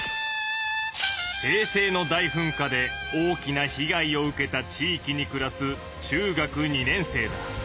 平成の大噴火で大きな被害を受けた地域にくらす中学２年生だ。